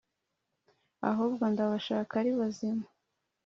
ahubwo ndabashaka ari bazima"